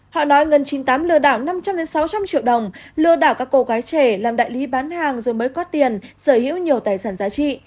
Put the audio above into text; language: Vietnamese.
họ nói ngân chín mươi tám lừa đảo năm trăm linh sáu trăm linh triệu đồng lừa đảo các cô gái trẻ làm đại lý bán hàng rồi mới có tiền sở hữu nhiều tài sản giá trị